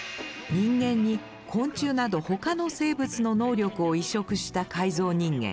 人間に昆虫などほかの生物の能力を移植した改造人間。